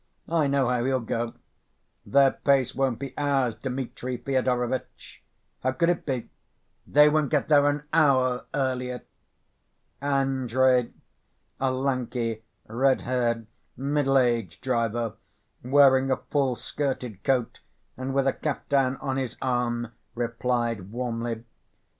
I know how he'll go. Their pace won't be ours, Dmitri Fyodorovitch. How could it be? They won't get there an hour earlier!" Andrey, a lanky, red‐haired, middle‐aged driver, wearing a full‐ skirted coat, and with a kaftan on his arm, replied warmly.